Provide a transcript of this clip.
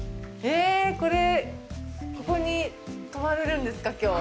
これ、ここに泊まれるんですかきょうは。